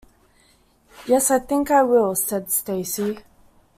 “Yes, I think I will,” said Stacy.